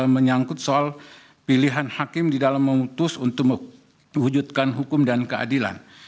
menyangkut soal pilihan hakim di dalam memutus untuk mewujudkan hukum dan keadilan